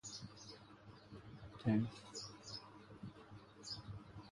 One of the two men walk at the tail of the plough.